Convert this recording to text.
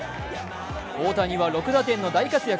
大谷は６打点の大活躍。